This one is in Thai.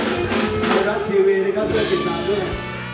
เธอจะรักทีเวลีกับเธอขี้วิทยาเซีย